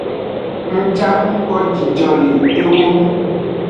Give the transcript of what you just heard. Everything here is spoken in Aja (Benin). Ng can ng kpo jijo le ewo ngu.